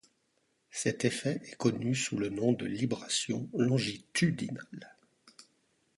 Cet effet est connu sous le nom de libration longitudinale.